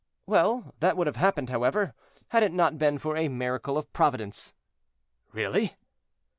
"Well, that would have happened, however, had it not been for a miracle of Providence."—"Really?"